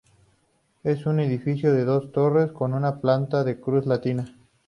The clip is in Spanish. Es un edificio de dos torres con una planta de cruz latina.